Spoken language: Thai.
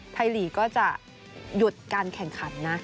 ลีกก็จะหยุดการแข่งขันนะ